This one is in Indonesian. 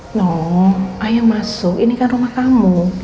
nino ayo masuk ini kan rumah kamu